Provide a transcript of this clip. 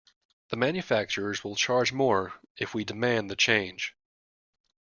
The manufacturers will charge more if we demand the change.